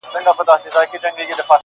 خو درد د ذهن له ژورو نه وځي هېڅکله,